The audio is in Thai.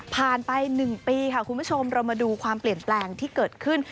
ผ่านไป๑ปีค่ะคุณผู้ชมเรามาดูความเปลี่ยนแปลงที่เกิดขึ้น